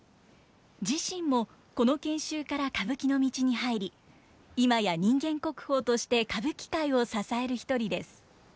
自身もこの研修から歌舞伎の道に入り今や人間国宝として歌舞伎界を支える一人です。